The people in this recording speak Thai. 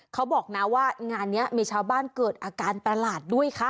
เขาบอกนะว่างานนี้มีชาวบ้านเกิดอาการประหลาดด้วยค่ะ